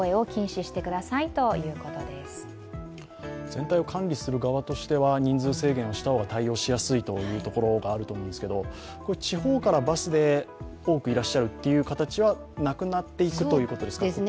全体を管理する側としては人数制限をした方が対応しやすいというところがあると思うんですけど、地方からバスで多くいらっしゃるという形はなくなっていくということですか？